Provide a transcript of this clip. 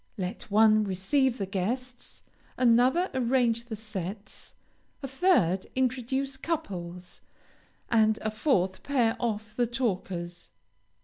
Let one receive the guests, another arrange the sets, a third introduce couples, and a fourth pair off the talkers.